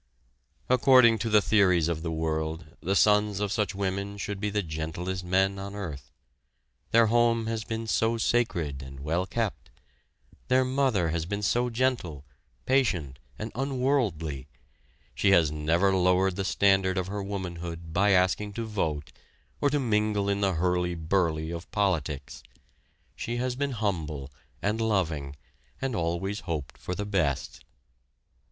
According to the theories of the world, the sons of such women should be the gentlest men on earth. Their home has been so sacred, and well kept; their mother has been so gentle, patient and unworldly she has never lowered the standard of her womanhood by asking to vote, or to mingle in the "hurly burly" of politics. She has been humble, and loving, and always hoped for the best.